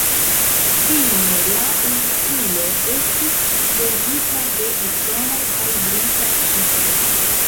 Fine la insulo estis trovita de usonaj kaj britaj ŝipoj.